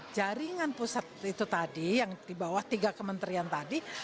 jaringan pusat itu tadi yang di bawah tiga kementerian tadi